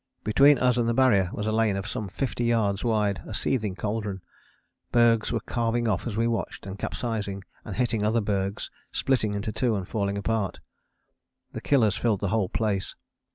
Between us and the Barrier was a lane of some fifty yards wide, a seething cauldron. Bergs were calving off as we watched: and capsizing: and hitting other bergs, splitting into two and falling apart. The Killers filled the whole place.